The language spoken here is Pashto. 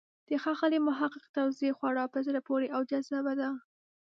د ښاغلي محق توضیح خورا په زړه پورې او جذابه ده.